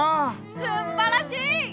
すんばらしい！